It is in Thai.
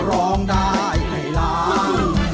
ร้องได้ให้ร้อง